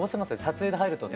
撮影で入ると。